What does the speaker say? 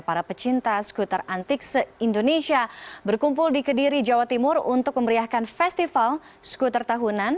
para pecinta skuter antik se indonesia berkumpul di kediri jawa timur untuk memeriahkan festival skuter tahunan